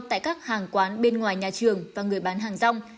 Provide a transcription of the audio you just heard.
tại các hàng quán bên ngoài nhà trường và người bán hàng rong